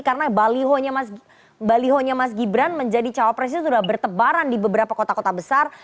karena balihonya mas gibran menjadi cawapresnya sudah bertebaran di beberapa kota kota besar